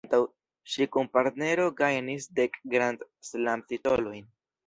Ŝi kun partnero gajnis dek Grand Slam-titolojn.